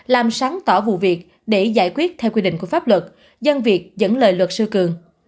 làm sáng tỏ vụ việc để giải quyết theo quy định của pháp luật dân việc dẫn lời luật sư cường